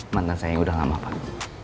mantan saya udah lama pak